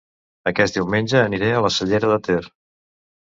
Aquest diumenge aniré a La Cellera de Ter